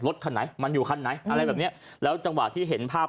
คันไหนมันอยู่คันไหนอะไรแบบเนี้ยแล้วจังหวะที่เห็นภาพ